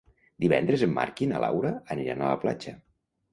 Divendres en Marc i na Laura aniran a la platja.